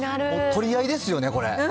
取り合いですよね、これ。